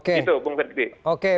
itu bung sergi